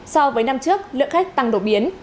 so với năm trước lượt khách tăng đột biến